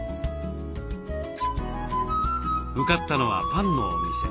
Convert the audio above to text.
向かったのはパンのお店。